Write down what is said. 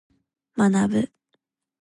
学ぶ。